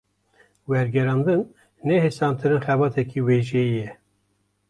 Wergerandin, ne hêsantirîn xebateke wêjeyî ye